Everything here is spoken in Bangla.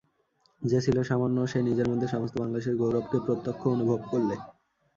যে ছিল সামান্য সে নিজের মধ্যে সমস্ত বাংলাদেশের গৌরবকে প্রত্যক্ষ অনুভব করলে।